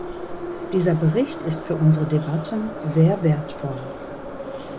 Dieser Bericht ist für unsere Debatten sehr wertvoll.